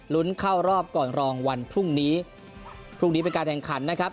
เข้ารอบก่อนรองวันพรุ่งนี้พรุ่งนี้เป็นการแข่งขันนะครับ